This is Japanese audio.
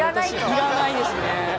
要らないですね。